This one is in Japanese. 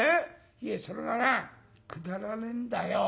いやそれがなくだらねえんだよ。